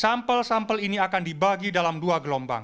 sampel sampel ini akan dibagi dalam dua gelombang